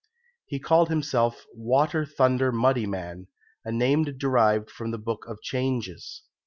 He called himself "Water thunder Muddy man," a name derived from the Book of Changes.